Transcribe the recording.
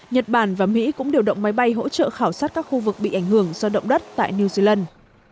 nhật bản và mỹ cũng điều động máy bay hỗ trợ khảo sát các khu vực bị ảnh hưởng do động đất tại new zealand